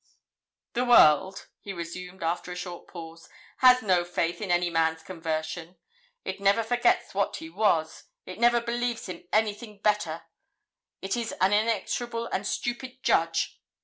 'The world,' he resumed after a short pause, 'has no faith in any man's conversion; it never forgets what he was, it never believes him anything better, it is an inexorable and stupid judge.